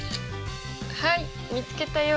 はい見つけたよ